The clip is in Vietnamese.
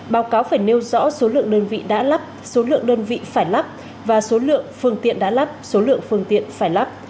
báo cáo phải nêu rõ số lượng đơn vị đã lắp số lượng đơn vị phải lắp và số lượng phương tiện đã lắp số lượng phương tiện phải lắp